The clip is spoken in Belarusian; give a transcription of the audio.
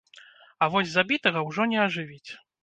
А вось забітага ўжо не ажывіць.